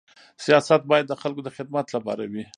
سیاست باید د خلکو د خدمت لپاره وي.